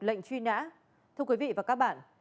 lệnh truy nã thưa quý vị và các bạn